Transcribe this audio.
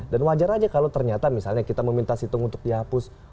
dan wajar aja kalau ternyata misalnya kita meminta situng untuk dihapus